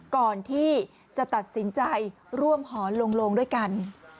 ก่อนที่จะตัดสินใจร่วมหอนโลงด้วยกัน